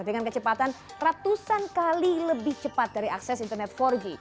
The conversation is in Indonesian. dengan kecepatan ratusan kali lebih cepat dari akses internet empat g